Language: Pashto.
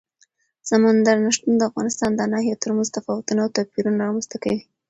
سمندر نه شتون د افغانستان د ناحیو ترمنځ تفاوتونه او توپیرونه رامنځ ته کوي.